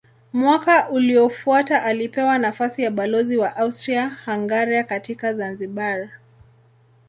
Mwaka uliofuata alipewa nafasi ya balozi wa Austria-Hungaria katika Zanzibar.